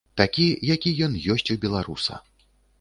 Такі, які ён ёсць у беларуса.